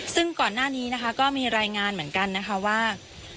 ซึ่งก่อนหน้านี้นะคะก็มีรายงานเหมือนกันนะคะว่า